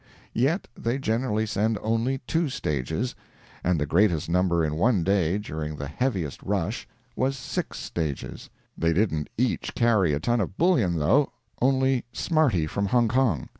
—yet they generally send only two stages, and the greatest number in one day, during the heaviest rush, was six coaches; they didn't each carry a ton of bullion, though, old smarty from Hongkong.